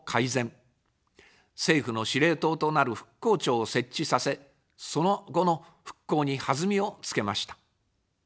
政府の司令塔となる復興庁を設置させ、その後の復興に弾みをつけました。